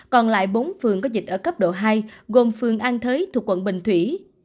còn lại bốn phường có dịch ở cấp độ hai gồm phường an thới thuộc quận bình thủy